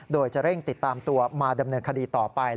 โดยจะเร่งติดตามตัวมาดำเนินคดีต่อไป